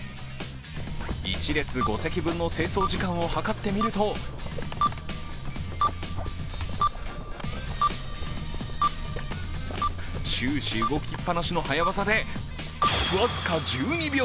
１列５席分の清掃時間を測ってみると終始動きっぱなしの早業で僅か１２秒。